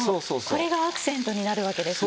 これがアクセントになるわけですね。